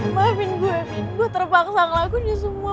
maafin gue min gue terpaksa ngelakuinnya semua